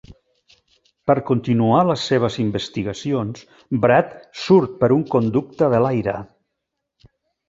Per continuar les seves investigacions, Brad surt per un conducte de l'aire.